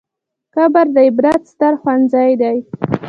قبر د عبرت ستر ښوونځی دی.